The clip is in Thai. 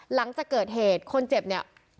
หลังจากเกิดเหตุคนเจ็บเนี่ย